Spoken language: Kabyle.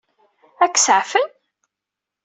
Ad k-saɛfen?